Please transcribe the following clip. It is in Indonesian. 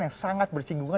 yang sangat bersinggungan